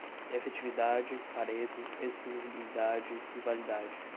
efetividade, pareto, exclusibilidade, rivalidade